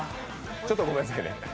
ちょっとごめんなさいね。